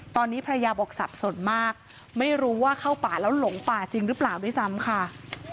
ตอนนี้ภรรยาบอกสับสนมากไม่รู้ว่าเข้าป่าแล้วหลงป่าจริงหรือเปล่าด้วยซ้ำค่ะ